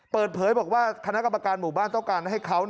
เปิดเผยบอกว่าคณะกรรมการหมู่บ้านต้องการให้เขา